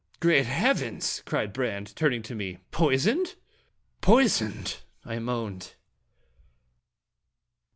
" Great heavens !" cried Brande, turning to me. "Poisoned?" " Poisoned !" I moaned.